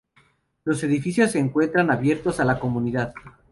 Los edificios se encuentran abiertos a la comunidad.